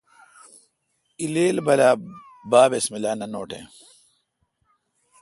الیل بلا با بسم اللہ۔ نہ نوٹیں